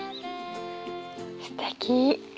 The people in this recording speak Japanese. すてき。